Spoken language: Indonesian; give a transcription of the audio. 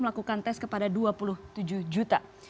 melakukan tes kepada dua puluh tujuh juta